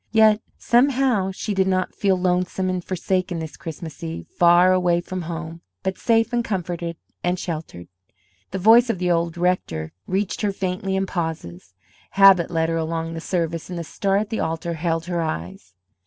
Yet, somehow, she did not feel lonesome and forsaken this Christmas eve, far away from home, but safe and comforted and sheltered. The voice of the old rector reached her faintly in pauses; habit led her along the service, and the star at the altar held her eyes.